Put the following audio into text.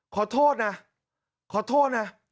ขอโทษนะขอโทษนะ